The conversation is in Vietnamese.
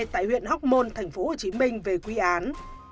tại huyện hóc môn tp hcm về quy án